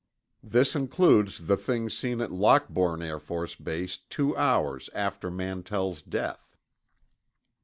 This includes the thing seen at Lockbourne Air Force Base two hours after Mantell's death.